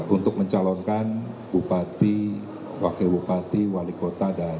untuk mencalonkan bupati wkw bye w appeared